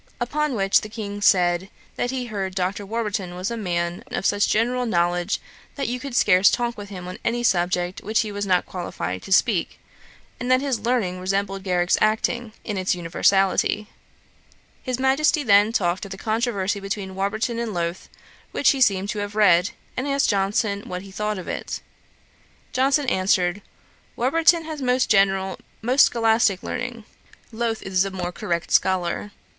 Upon which the King said, that he heard Dr. Warburton was a man of such general knowledge, that you could scarce talk with him on any subject on which he was not qualified to speak; and that his learning resembled Garrick's acting, in its universality. His Majesty then talked of the controversy between Warburton and Lowth, which he seemed to have read, and asked Johnson what he thought of it. Johnson answered, 'Warburton has most general, most scholastick learning; Lowth is the more correct scholar.